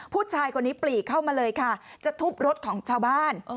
ผู้ชายคนนี้ปลีกเข้ามาเลยค่ะจะทุบรถของชาวบ้าน